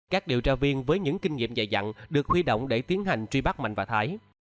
các điều tra viên với những kinh nghiệm dạy dặn được huy động để tiến hành truy bắt mạnh và thái